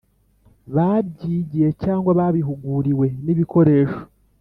babyigiye cyangwa babihuguriwe n ibikoresho